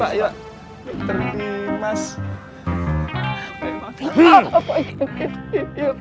pak ya dokter dimas